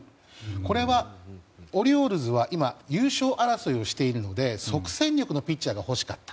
これは、オリオールズは優勝争いをしているので即戦力のピッチャーが欲しかった。